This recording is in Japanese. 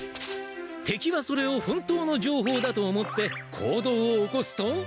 敵はそれを本当のじょうほうだと思って行動を起こすと。